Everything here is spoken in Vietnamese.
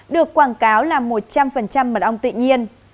được quảng cáo là một trăm linh mật ong tự nhiên